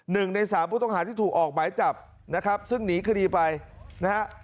๑ใน๓ผู้ต้องหาที่ถูกออกไหม้จับนะครับซึ่งหนีคดีไปนะครับ